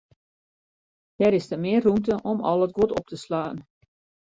Der is te min rûmte om al it guod op te slaan.